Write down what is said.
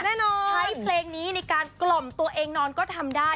ใช้เพลงนี้ในการกล่อมตัวเองนอนก็ทำได้